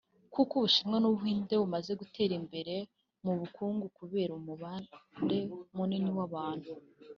kuko Ubushinwa n’Ubuhinde bimaze gutera imbere mu bukungu kubera umubare munini w’abantu